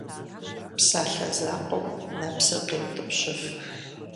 Псалъэ закъуэм нэпсыр къеутӏыпщыф.